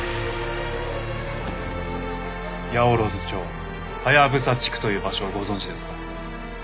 八百万町ハヤブサ地区という場所をご存じですか？